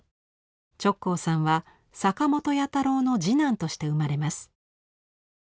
直行さんは坂本弥太郎の次男として生まれます。